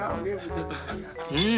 うん！